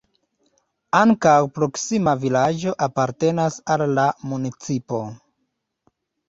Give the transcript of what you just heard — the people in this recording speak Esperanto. Ankaŭ proksima vilaĝo apartenas al la municipo.